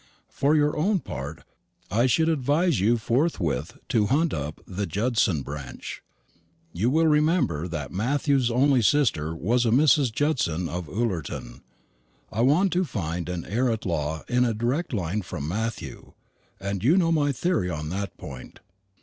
For your own part, I should advise you forthwith to hunt up the Judson branch. You will remember that Matthew's only sister was a Mrs. Judson of Ullerton. I want to find an heir at law in a direct line from Matthew; and you know my theory on that point.